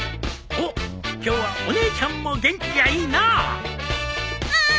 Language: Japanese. おっ今日はお姉ちゃんも元気がいいのう！